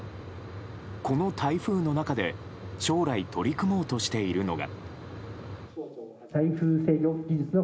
この台風の中で将来取り組もうとしているのが。